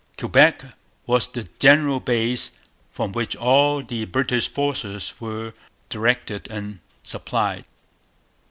Quebec was the general base from which all the British forces were directed and supplied.